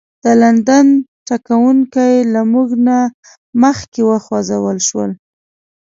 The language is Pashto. د لندن تګونکي له موږ نه مخکې وخوځول شول.